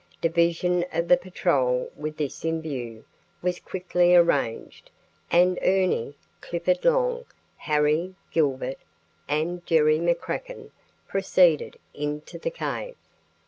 Division of the patrol with this in view was quickly arranged, and Ernie, Clifford Long, Harry, Gilbert, and Jerry McCracken proceeded into the cave.